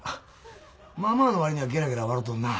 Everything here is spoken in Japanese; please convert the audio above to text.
まあまあのわりにはゲラゲラ笑とんな。